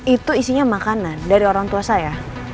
itu isinya makanan dari orang tua saya